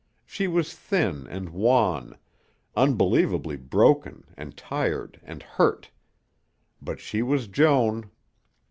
She was thin and wan, unbelievably broken and tired and hurt, but she was Joan.